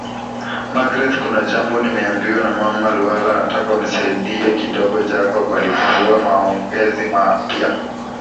Magreth kuna jambo nimeambiwa na mama Ruhala nataka unisaidie kidogoJacob alifungua maongezi mapya